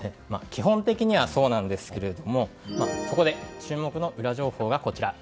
基本的にはそうなんですがそこで、注目のウラ情報がこちら。